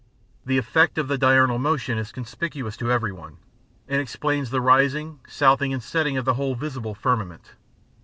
The effect of the diurnal motion is conspicuous to every one, and explains the rising, southing, and setting of the whole visible firmament.